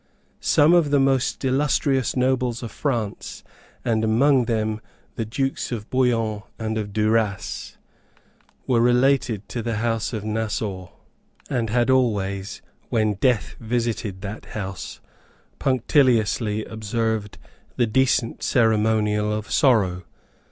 Some of the most illustrious nobles of France, and among them the Dukes of Bouillon and of Duras, were related to the House of Nassau, and had always, when death visited that House, punctiliously observed the decent ceremonial of sorrow.